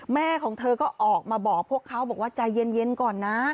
แม่ของเธอก็ออกมาบอกพวกเขาบอกว่าใจเย็นก่อนนะ